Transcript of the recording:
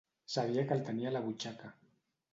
Sabia que el tenia a la butxaca.